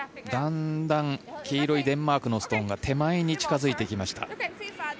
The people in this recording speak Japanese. だんだん黄色いデンマークのストーンが手前に近付いてきました。